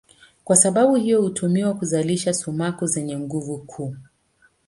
Kwa sababu hiyo hutumiwa kuzalisha sumaku zenye nguvu kuu.